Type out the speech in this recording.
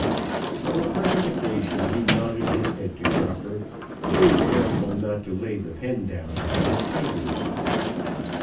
On the present occasion he nodded his head to Crocker, being careful not to lay the pen down from his fingers.